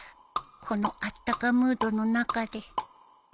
このあったかムードの中で